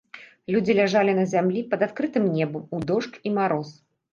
Людзі ляжалі на зямлі пад адкрытым небам у дождж і мароз.